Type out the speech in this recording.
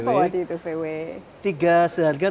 berapa wadih itu vw